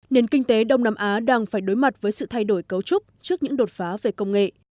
nền kinh tế đông nam á đang phải đối mặt với sự thay đổi cấu trúc trước những đột phá về công nghệ